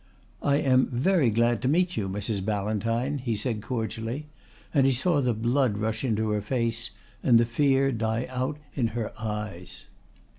"I am very glad to meet you, Mrs. Ballantyne," he said cordially, and he saw the blood rush into her face and the fear die out in her eyes.